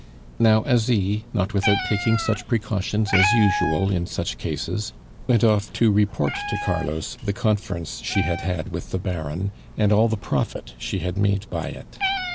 Now Asie, not without taking such precautions as usual in such cases, went off to report to Carlos the conference she had held with the Baron, and all the profit she had made by it.